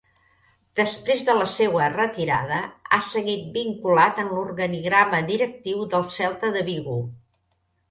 Després de la seua retirada, ha seguit vinculat en l'organigrama directiu del Celta de Vigo.